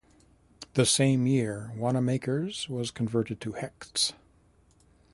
The same year, Wanamaker's was converted to Hecht's.